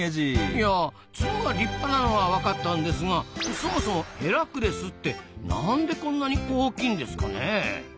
いや角が立派なのは分かったんですがそもそもヘラクレスってなんでこんなに大きいんですかねえ？